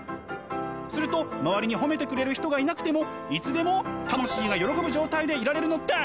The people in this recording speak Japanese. すると周りに褒めてくれる人がいなくてもいつでも魂が喜ぶ状態でいられるのです！